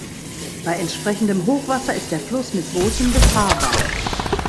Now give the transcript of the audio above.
Bei entsprechendem Hochwasser ist der Fluss mit Booten befahrbar.